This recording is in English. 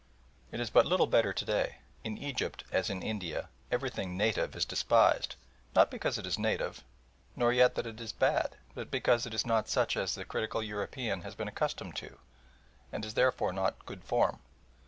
It is but little better to day. In Egypt, as in India, everything "native" is despised, not because it is native, nor yet that it is bad, but because it is not such as the critical European has been accustomed to, and is therefore not "good form."